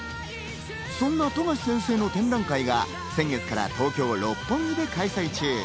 そんな冨樫先生の展覧会が先月から東京・六本木で開催中。